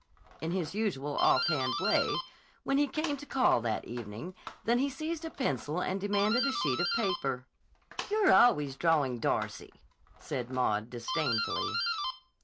in his usual offhand way, when he came to call that evening, than he seized a pencil and demanded a sheet of paper. "You're always drawing Darcy!" said Maud disdainfully.